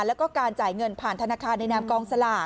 แล้วก็การจ่ายเงินผ่านธนาคารในนามกองสลาก